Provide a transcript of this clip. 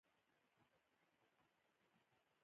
اورنګزیب عالمګیر وروستی لوی مغول و.